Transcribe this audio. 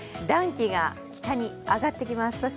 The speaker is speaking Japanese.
暖気が北に上がってきます。